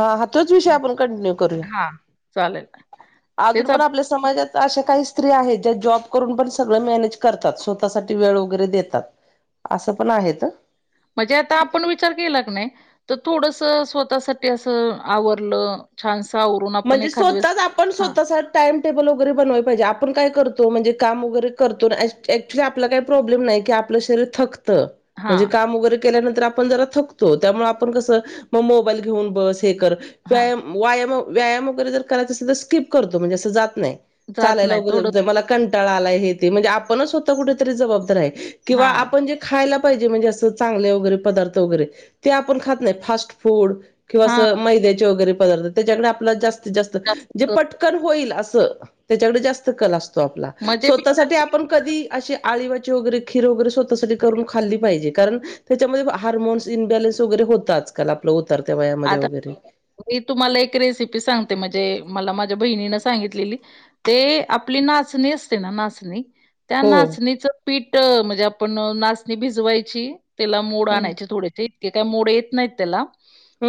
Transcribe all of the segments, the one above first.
हां हां तोचं विषय आपणं कंटिन्यू करूंया हां, चालेल. तेच अजूंन पणं आप आपल्या समाजांत अशा कांहीं स्त्री आहेतं ज्यां जॉब करूंन पणं सगळं मॅनेज करतांत स्वंतःसाठी वेळं वगैरें देतांत. असं पणं आहेतं. म्हणजे आंता आपणं विचार केलां की नाहीं तरं थोडंसं स्वंतःसाठी असं आवरलं. छांनसां आवरूंन. म्हणजे स्वतःच आ पण स्वतः सा टाईम टेबल वगैरे बनवाय पाहिजे. आपण काय करतो म्हणजे काम वगैरे करतो ऍक्च्युअली आपला काही प्रॉब्लेम नाही की आपलं शरीर थकतं, म्हणजे हां, काम वगैरे केल्यानंतर आपण जरा थकतो त्यामुळे मग आपण कसं मोबाईल घेऊन बस हे कर, हां. व्यायाम वायाम व्यायाम वगैरे जर करायचा असेल तर स्किप करतो, म्हणजे असं जात नाही. जात चालायला नाही थोडं वगैरे मला कंटाळा आलाय हे ते म्हणजे आपणचं स्वतः कुठं तरी जबाबदार आहे किंवा हां, आपण जे खायला पाहिजे म्हणजे असं चांगले वगैरे पदार्थ वगैरे ते आपण खात नाही. फास्ट फूड किंवा असं हां. मैद्याचे वगैरे पदार्थ त्याच्याकडे आपला जास्तीत जास्त जे पट कन होईल असं त्याच्याकडे जास्त कल असतो आपला, म्हणजे स्वतः साठी आ पण कधी असे आळीवाची वगैरे खीर वगैरे स्वतःसाठी करून खाल्ली पाहिजे, कारण त्याच्यामध्ये हार्मोन्स इन्बॅलन्स वगैरे होतं आजकाल आपलं उतरत्या वयामध्ये आता वगैरे. मी तुम्हाला एक रेसिपी सांगते म्हणजे मला माझ्या बहिणीनं सांगितलेली. ते आपली नाचणी असते ना नाचणी. त्या हो नाचणीचं पीठ म्हणजे आपण नाचणी भिजवायची. त्याला मोड हम्म आणायचे थोडे ते इतके काय मोड येत नाहीत त्याला.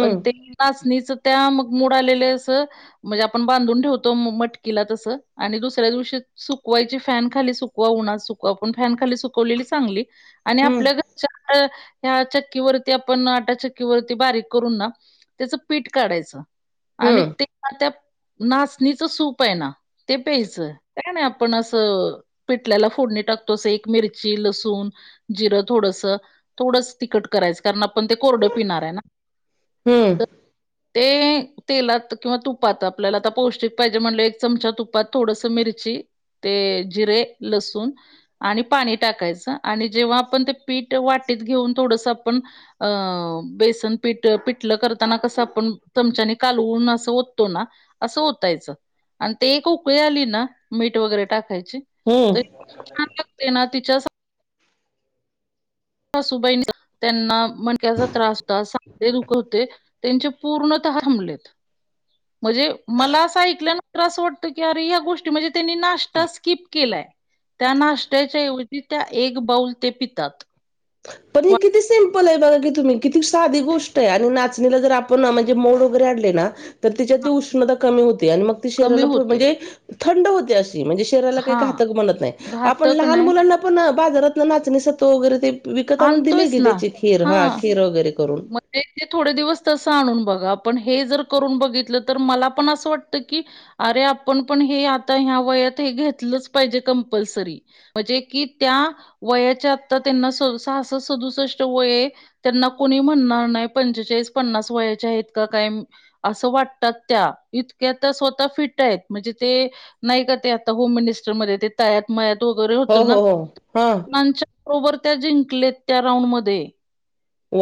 पण ते नाचणीच त्या मग मूड आलेले असं म्हणजे आपण बांधून ठेवतो मटकीला तसं आणि दुसऱ्या दिवशी सुकवायची फॅन खाली सुकवा, उन्हात सुकवा पण फॅन खाली सुकवलेली चांगली. आणि हम्म आपल्या घरच्या ह्या चक्कीवरती आपण आटा चक्कीवरती बारीक करून ना त्याचं पिठं काढायचं आणि हम्म ते त्या नाचणीचं सूप आहे ना ते प्यायचंय. ते का नाही आपण असं पिठल्याला फोडणी टाकतो तसं एक मिरची, लसूण जिरं थोडसं. थोडंच तिखट करायचं कारण आपण ते कोरडं पिणार आहे ना. हम्म. ते तेलात किंवा तुपात आपल्याला आता पौष्टिक पाहिजे म्हणलं, एक चमचा तुपात थोडस मिरची ते जिरे, लसूण आणि पाणी टाकायचं आणि जेव्हा आपण ते पीठ वाटीत घेऊन थोडसं आपण अ बेसन पिठ पिठलं करताना कसं आपण चमच्यानी कालवून असं ओततो ना असं ओतायचं. अन् ते एकउकळी आली ना. मीठ वगैरे टाकायचे हम्म तर छान लागते ना तिच्या सासूबाई त्यांना मणक्याचा त्रास होता सांधे दुखंतं होते. त्याचे पूर्णतः थांबलेत. [inaudible] म्हणजे मला असं ऐकल्यान असं वाटतं की अरे या गोष्टी म्हणजे त्यांनी नाश्ता स्किप केलाय. त्या नाष्ट्याच्याऐवजी त्या एक बाऊल ते पितात. पण हे वाट किती सिम्पल आहे बघ कि तुम्ही. किती साधी गोष्ट आहे आणि नाचणीला जर आपण म्हणजे मोड वगैरे आणले ना. तर त्याच्यातली उष्णता कमी होते आणि मग कमी शरीराला होते. म्हणजे थंड होते अशी म्हणजे शरीराला काही हां. घातक बनतं नाही. आपण घातक लहान नाही मुलांना आपण बाजारात नाचणी सत्व वगैरे ते विकत आणून दिले आणतोयच की ना. त्याची खीर हा हां. खीर वगैरे करून. ते थोडे दिवस तसं आणून बघा, पण हे जर करून बघितलं तर मला पण असं वाटतं कि अरे आपण पण हे आता ह्या वयात हे घेतलंच पाहिजे कंपल्सरी. म्हणजे कि त्या वयाच्या आता त्यांना सदू सहासस्ट सदुसष्ट वय ये त्यांना कुणी म्हणणार नाय. पंचेचाळीस पन्नास वयाच्या हायेत का काय असं वाटतात त्या, इतक्या स्वतः फिट येत. म्हणजे ते नाय का ते आता होम मिनिस्टरमध्ये ते तळ्यात मळ्यात वगैरे हो होतं ना हो हो हा [unintelligible] ओवर त्या जिंकलेत त्या राऊंड मध्ये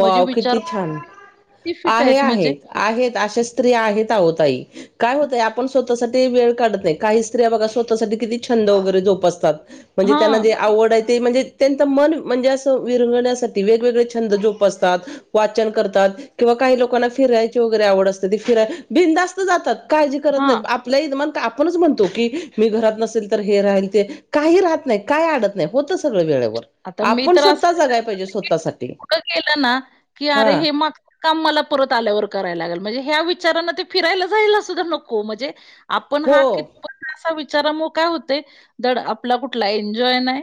म्हणजे विचार किती छान, किती फिट आहे म्हणजे आहेत आहेत अशा स्त्री आहेत आहो ताई. काय होतंय, आपण स्वतःसाठी वेळ काढत नाय. काही स्त्रिया बघा स्वतःसाठी किती छंद वगैरे जोपासतात. म्हणजे त्यांना हां, जे आवड ये ते, म्हणजे त्यांच मन म्हणजे असं विरगण्यासाठी वेगवेगळे छंद जोप पासतात, वाचन करतात किंवा काही लोकांना फिरायची वगैरे आवड असते. ते फिराय बिंदास्त जातात. काळजी करत हां. नाहीत. आप आपल्या ईजमान का आपणच म्हणतो की, मी घरात नसेल तर हे राहील ते, काही राहत नाही, काय आडत नाय. होत सगळं वेळेवर आता आपण स्वतः जागाय पाहिजे. स्वतःसाठी त केलं ना. की, हा अरे हे मग काम मला परत आल्यावर करायला लागल. म्हणजे ह्या विचारांने ते फिरायला जायला सुद्धा नको म्हणजे आपण हो हा कित आपण असा विचारामुळं काय होतय. धड आपला कुठला एन्जॉय नाय.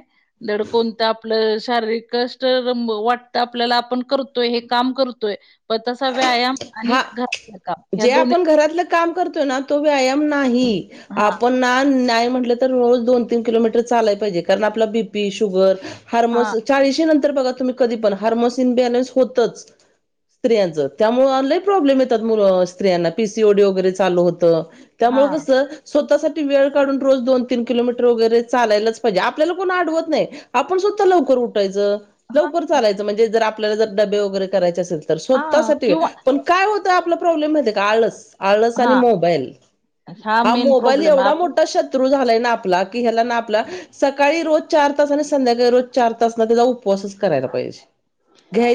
धड कोणतं आपलं शारीरिक कष्ट वाटत आपल्याला आपण करतोय. हे काम करतोय पण तसा व्यायाम आणि हा घरातलं काम ह्या जे दोन्हीत आपण घरातलं काम करतो ना, तो व्यायाम नाही. हां, आपण ना नाही म्हटलं तर रोज दोन, तीन किलोमीटर चालाय पाहिजे. कारण आपला बी पी, शुगर हां, हार्मोस, चाळीशी नंतर बघा तुम्ही कधी पण हार्मोस इन बॅलन्स होतच. स्त्रियांचं त्यामुळ लय प्रॉब्लेम येतात मु स्त्रियांना पी सी ओ डी वगैरे चालू होतं त्यामुळे हां, कसं स्वतःसाठी वेळ काढून रोज दोन, तीन किलोमीटर वगैरे चालायलाच पाहिजे. आपल्याला कोण आडवत नाय. आपण स्वतः लवकर उठायचं. हां, लवकर चालायच म्हणजे जर आपल्याला जर डबे वगैरे करायचे असेल तर हां स्वतःसाठी वेळ किंवा पण काय होतंय आपला प्रॉब्लेममध्ये माहितीये का आळस आळस आणि हां. मोबाईल, हा मेन मोबाईल प्रॉब्लेम आहे एवढा आपण मोठा शत् शत्रू झालाय ना आपला की, ह्याला ना आपला सकाळी रोज चार तास आणि संध्याकाळी रोज चार तास न त्याजा उप उपवासच करायला पाहिजे.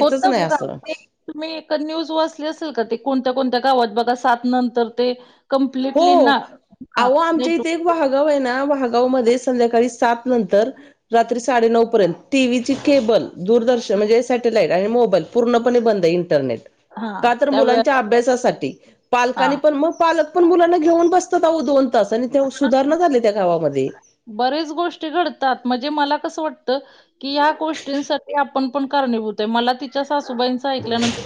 होत नाय का असं ते तुम्ही एक न्यूज वाचली असेल का ते कोणत्या, कोणत्या गावात बघा सात नंतर ते कंप्लिटली ना हो. हा अहो आमच्या नेट इथे एक वाहागाव ये ना वाहागाव मध्ये संध्याकाळी सात नंतर रात्री साडेनऊ पर्यंत, टी व्ही ची केबल, दूरदर्शन म्हणजे सॅटेलाईट आणि मोबाईल पूर्णपणे बंद. इंटरनेट हा का तर त्यावेळे मुलांच्या अभ्यासासाठी, हा पालकांनी पण म पालक पण मुलांना घेऊन बसतात आहो दोन तास आणि त्या सुधारणा झाले त्या गावामध्ये बरेच गोष्टी घडतात. मजे मला कसं वाटतं की, या गोष्टींसाठी आपण पण कारणीभूत ये. मला तिच्या सासूबाईंच ऐकल्यानंत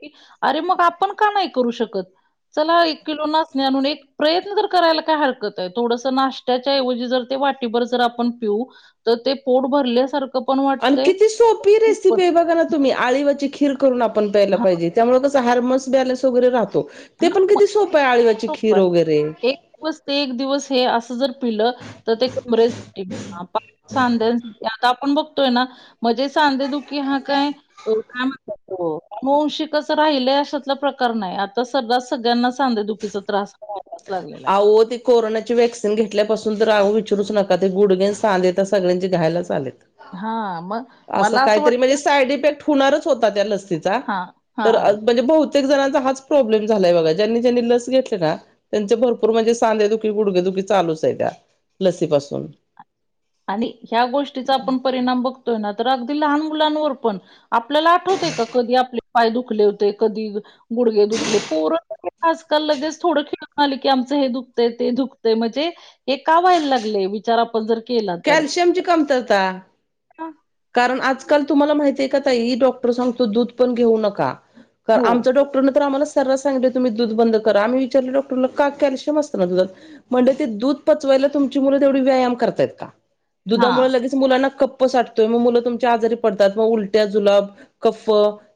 की, अरे मग आपण का नाय करू शकत. चला एक किलो नाचणी आणून, एक प्रयत्न तर करायला काय हरकत आय. थोडस नाशत्याच्याऐवजी जे जर ते वाटीभर जर आपण पिऊ तर ते पोट भरल्यासार आणि किती सोपी रेसिपी ये बघा ना तुम्ही अळीवाची खीर करून आपण प्यायला हां, पाहिजे. त्यामुळे कस हार्मोन्स बॅलन्स वगैरे राहत. तो. ते हां. पण मग किती सोप ये आळीव सोपं य, एक दिवस ते, एक दिवस हे असं जर पिलं तर ते कमरेसाठी आपण सांधेच दुखतात त्या नंतर आपण बघ. तो ना मजे सांध दुखी हा काय, काय मं कोण शिकच राहिलय अशतला प्रकार नाही आता सरदाच सगळ्यांना सांधे दुखी. तिझा त्रास, आवो ते, कोरोनाची वॅक्सिन घेतल्यापासून तर आवो विचारूच नका ते गुडगे आणि सांधे तर सगळ्यांचे घायलाच आलेत. आहे. हां, मग असं मला काहीतरी म्हणजे वाटतं साईड इफेक्ट! होणारच होता त्या लसीचा हां, तर हां. म्हणजे ब, प्रत्येक जणांचा हाच प्रॉब्लेम झालाय बघा ज्यांनी ज्यांनी लस घेतलं ना. त्यांचे भरपूर म्हणजे सांधेदुखी गुडघेदुखी चालूच आहे त्या लसीपासून. आणि ह्या गोष्टीचा आपण परिणाम बघतोय ना तर अगदी लहान मुलांवर पण? आपल्याला आठवते का कधी आपले पाय दुखले होते कधी. गुडगे दुखले, पोरांच आजकाल लगेच थोडं खेळून आले की, आमचं हे दुखतय ते दुखतय म्हणजे! हे का व्हायला लागलय, विचार आपण जर, केला तर कॅल्शियमची कमतरता. हा. कारण आजकाल तुम्हाला माहिती आहे का ताई, डॉक्टर सांगतो दूध पण घेऊ नका. तर हो आमचा डॉक्टरने तर आम्हाला सरळ सांगितलं तुम्ही दूध बंद करा, मी विचारले डॉक्टर का, कॅल्शिम असतंय ना दुधात, म्हणले ते दूध पचवायला तुमची मुलं तेवढी व्यायाम करतायत का? हां. दुधामुळे लगेच मुलांना कप्प साठतोय, मग मुलं तुमची आजारी पडतात, मग उलट्या जुलाब, कक्फ.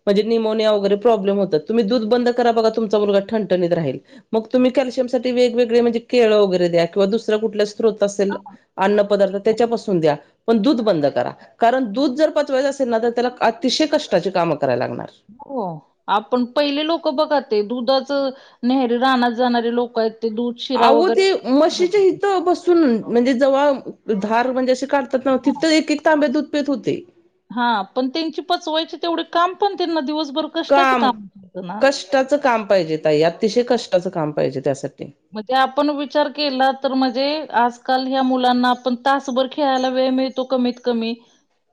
म्हणजे निमोनिया वगैरे प्रॉब्लेम होतात, तुम्ही दुध बंद करा, बघा तुमचा मुलगा ठंणणीत राहील. मग तुम्ही कॅल्शियमठी वेगवेगळे म्हणजे केळ वगैरे द्या, किंवा दुसरा कुठला स्तोत असेल, हां. अन्न. पदार्थ त्याच्यापासून द्या. पण दूध बंद करा, कारण दूध जर पचवायचं असेल ना तर त्याला अतिशय कष्टाची कामं करायला लागणार. हो. आपण पहिले लोकं बघा ते, दुधाच नेहरे रानात जाणारे लोक आहेत ते दूध, शिरा अवो वगैरे ते, मशीच्या हिथ बस, सुन, म्हणजे जव्हा, धार म्हणजे असे काढतात ना तिथे एक एक तांब्या दुधपेत होते. हा, पण त्यांची पचवायची, तेवढे काम पण त्यांना दिवसभर, कष्टाचं काम, होतं ना. कष्टाचं काम पाहिजे ताई, अतिशय कष्टाचं काम पाहिजे त्यासाठी. म्हणजे आपण विचार केला तर म्हणजे, आजकाल ह्या मुलांना आपण तासभर खेळायला वेळ मिळत. तो कमीत कमी,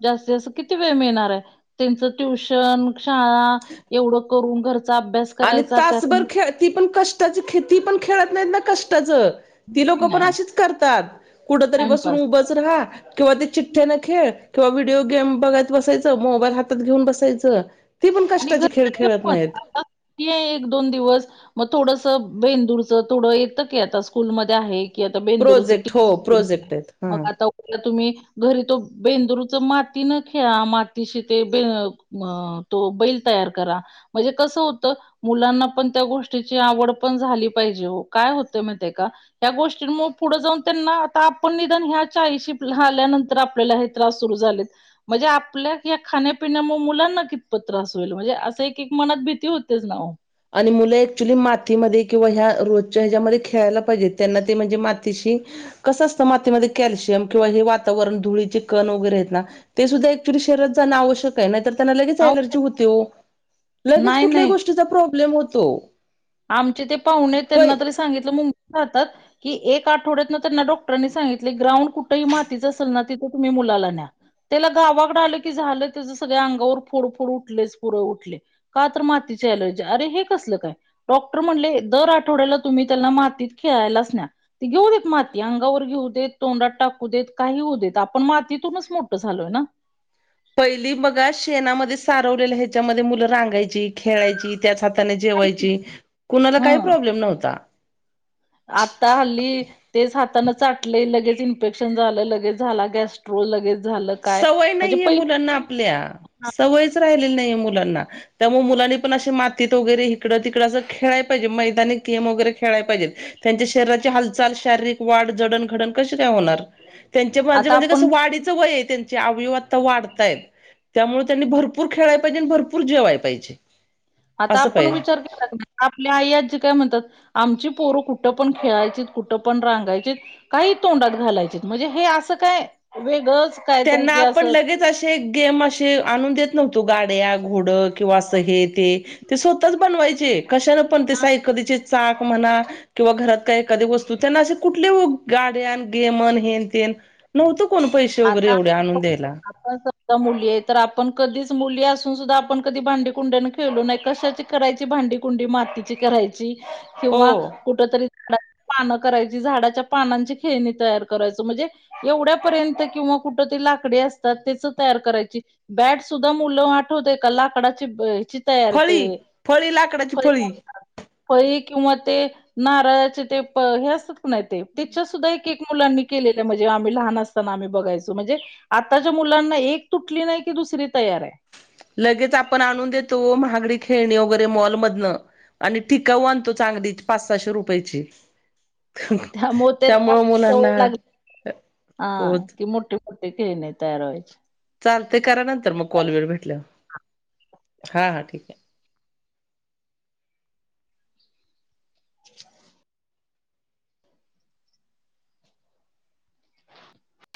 जास्तीत जास्त किती वेळ मिळनार हाय त्यांच ट्यूशन, शाळा, एवढ करून घरचा अभ्यास, आणि करायचा त्यात तासभर खेळ, ती पण कष्टाची खेळ, ती पण खेळत नाहीत ना कष्टाचं. ती लोक पण नाही अशीच करतात, कुठ तरी टाइमपास बसून उभच राहा, किंवा ते चिठ्ठ्या न खेळ, किंवा व्हिडिओ गेम बघत बसायचं, मोबाईल हातात घिऊन बसायचं, ती पण कष्टाचे खेळ खेळत नाहीत. की आहे एक दोन दिवस, मग थोडस बेंदूरच थोडं, येतं की आता स्कूलमध्ये आहे. कि आता बेंदुरूच प्रोजेक्ट हो किंवा प्रोजेक्ट आहेत मग हा आता उद्या तुम्ही, घरी तो बेंदूरूच माती न खेळा, मातीशी ते बर म, तो बैल तयार करा, म्हणजे कसं होतं, मुलांना पण त्या गोष्टीची आवड पण झाली पाहिजे ओ, काय होतय माहितय का, या गोष्टींमुळे पुढं जाऊन त्यांना, आता आपण निदान ह्या चाळीशी आल्यानंतर आपल्याला हे. त्रास सुरू झालेय, म्हणजे आपल्या ह्या खाण्यापिण्या मुळे मुलांना किती. पण त्रास होईल म्हणजे असं एक एक मनात भीती होतेच नावो. आणि मुलं ऍक्च्युली मातीमध्ये किंवा ह्या रोजच्या ह्याच्यामध्ये खेळायला पाहिजेत त्यांना ते म्हणजे मातीशी कसं असतं मातीमध्ये कॅल्शियम किंवा हे वातावरण धुळीचे कण वगैरे आहेत ना ते सुद्धाऍक्चुली शरीरात जाण आवश्यक का नाही तर त्यांना लगेच एलर्जी होते ओ लगेच नाही कुठल्याही नाही गोष्टीचा प्रॉब्लेम होतो. आमचे ते पाहुणे आहेत पै त्यांना तरी सांगितलं मुंबईत राहतात. कि एक आठवड्यात ना त्यांना डॉक्टरांनी सांगितलय ग्राउंड कुठेही मातीच असेल ना तिथं तुम्ही मुलाला न्या. त्याला गावाकड आलं की झालं त्याच सगळ्या अंगावर फोडफोड उठलेच पुरळ उठले. का तर मातीची एलर्जी अरे हे कसलं काय. डॉक्टर म्हणले दर आठवड्याला तुम्ही त्यांना मातीत खेळायलाच न्या. ती घेऊ देत माती अंगावर घेऊ देत तोंडात टाकू देत काही होऊ देत आपण मातीतूनच मोठं झालोय ना. पहिली बघा शेणामध्ये सारवलेलं ह्याच्यामध्ये मुलं रांगायची खेळायची त्याच हाताने जेवायची कुणाला काही हं प्रॉब्लेम नव्हता. आता हल्ली तेच हाताानं चाटलय लगेच इन्फेक्शन झालं लगेच झाला गॅस्ट स्ट्रो लगेच झालं काय सवय म्हजे नाहीये पै मुलांना आपल्या सवयीच राहिलेली नाही या मुलांना. त्यामुळे मुलांनी पण असे मातीत वगैरे इकडं तिकडं असं खेळाय पाहिजे मैदानी गेम वगैरे खेळायला पाहिजेत. त्याच्या शरीराची हालचाल शारीरिक वाढ जडणघडण कशी काय होणार. त्यांचे माझे आता म्हणजे आपण कसं वाढीचं वय आहे त्यांचे अवयव आता वाढतायत. त्यामुळे त्यांनी भरपूर खेळाय पाहिजे आणि भरपूर जेवाय पाहिजे. आता असं आपण पाहिजे विचार केला पाहिजे. आपल्या आई आजी काय म्हणतात आमची पोरं कुठं पण खेळायची कुठं पण रांगायचीत. काही तोंडात घालायचेत म्हणजे हे असं काय वेगळंच कायतरी त्यांना की आपण असं लगेच असे गेम असे आणून देत नव्हतो गाड्या घोड किंवा असं हे ते ते स्वतःच बनवायचे कशानं पण ते सायकलीचे चाक म्हणा. किंवा घरात काही एखादी वस्तू त्यांना असे कुठले गाड्यान गेमन हेन तेन. नव्हतं कोण पैसे वगैरे आता एवढे आणून आपण द्यायला. समजा मुली आहे तर आपण कधीच मुली असून सुद्धा आपण कधी भांडी कुंड्यान खेळलो नाही कशाची करायची भांडी कुंडी मातीची करायची हो किंवा कुठ तरी झाडाची पानं करायची झाडाच्या पानांची खेळणी तयार करायचं म्हणजे एवढ्या पर्यंत किंवा कुठ तरी लाकडी असतात त्याच तयार करायची. बॅट सुद्धा मुलं आठवतेय का लाकडाची हेची तयार फळी ते. फळी लाकडाची फळी [unintelligible] फळी किंवा ते नारळाचे ते प हे असतात की नाही ते त्याच्या सुद्धा मुलांनी केलेलं म्हणजे आम्ही लहान असताना आम्ही बघ बघायचो म्हणजे आताच्या मुलांना एक तुटली नाही की दुसरी तयार आहे. लगेच आपण आणून देतो ओ महागडी खेळणी वगैरे मॉलमधनं. आणि टिकाऊ आणतो चांगली पाच सहाशे रुपयेची. त्यामुळे त्यांना त्यामुळ मुलांना सवय लागली होत खेळणी तयार व्हायची. चालतय करा नंतर मग कॉल वेळ भेटल्यावर हा हा ठीक आहे. [unintelligible] [unintelligible]